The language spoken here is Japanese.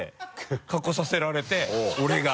格好させられて俺が。